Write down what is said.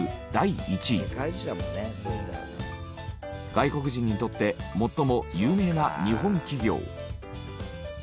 外国人にとって最も有名な日本企業。